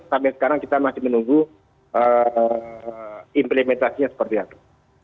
sampai sekarang kita masih menunggu implementasinya seperti apa